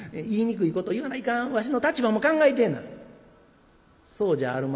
言いにくいこと言わないかんわしの立場も考えてえな」。